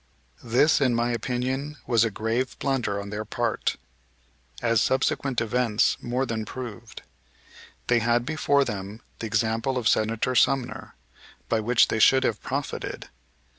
This in my opinion was a grave blunder on their part, as subsequent events more than proved. They had before them the example of Senator Sumner, by which they should have profited.